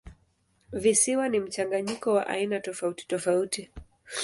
Visiwa ni mchanganyiko wa aina tofautitofauti.